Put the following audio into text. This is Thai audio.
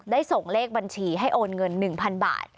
ส่งเลขบัญชีให้โอนเงิน๑๐๐๐บาท